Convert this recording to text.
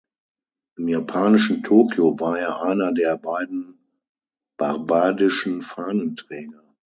Im japanischen Tokio war er einer der beiden barbadischen Fahnenträger.